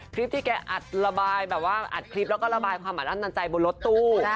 คริปที่แกอัดละบายความอันดันใจบนรถตู้